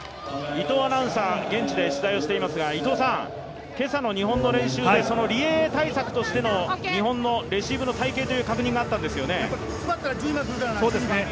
伊藤アナウンサー、現地で取材していますが、今朝の日本の練習でリ・エイエイ対策としての日本のレシーブの隊形という確認もあったんですよね？